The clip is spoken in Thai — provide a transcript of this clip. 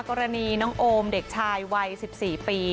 กรณีน้องโอมเด็กชายวัย๑๔ปี